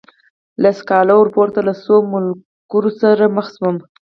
له سکالا ورپورته له څو ملګرو سره مخ شوم.